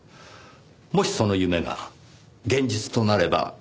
もしその夢が現実となれば。